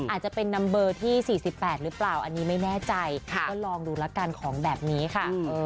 อาจจะเป็นนัมเบอร์ที่๔๘หรือเปล่าอันนี้ไม่แน่ใจก็ลองดูละกันของแบบนี้ค่ะ